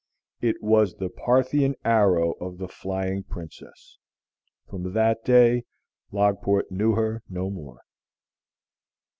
It was the Parthian arrow of the flying Princess. From that day Logport knew her no more.